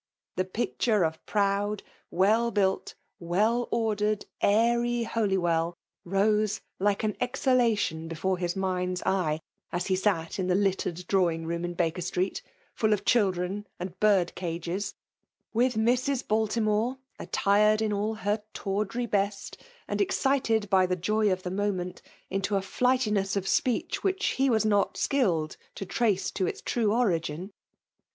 The picture of proud, well built, weU ordered> airy Holywell, rose like an exha lation before his ndnd^s eye, as he sat in the FKMA1.K DOMINATION. 49 Burred dtawing room in Baker Street, full of children and bird cages ; with Mrs. Baltimore^ tiiitired in all liet tawdry best, and excited by the ]oy' of the moment into a flight iness of speech wluch he was hot skilled io trace to its tme origin.